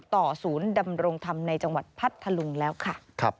ศูนย์ดำรงธรรมในจังหวัดพัทธลุงแล้วค่ะ